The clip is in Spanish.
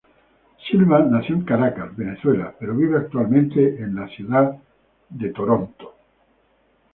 Silva nació en Caracas, Venezuela, pero vive actualmente en la ciudad de Nueva York.